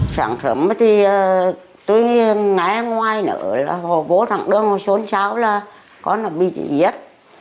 sáng sớm thì tôi nghe ngoài nữa là hồ vô thẳng đơn hồ số sáu là có người bị giết